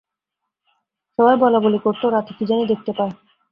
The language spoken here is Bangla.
সবাই বলাবলি করত, রাতে কী জানি দেখতে পায়।